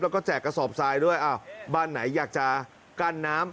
แล้วก็แจกกระสอบทรายด้วยอ้าวบ้านไหนอยากจะกั้นน้ำ